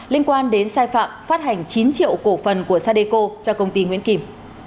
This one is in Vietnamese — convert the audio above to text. liên quan đến sai phạm phát hành chín triệu cổ phần của sadeco cho công ty nguyễn kim